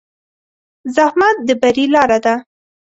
زحمت د بری لاره ده.